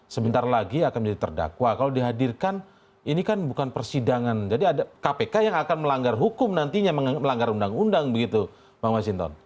sebentar lagi akan menjadi terdakwa kalau dihadirkan ini kan bukan persidangan jadi ada kpk yang akan melanggar hukum nantinya melanggar undang undang begitu bang masinton